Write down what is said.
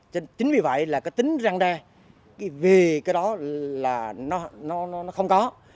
chính vì vậy là cái tính răng đe về cái đó là nó không có